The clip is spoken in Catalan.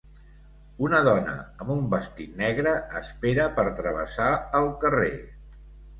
Una dona amb un vestit negre espera per travessar el carrer.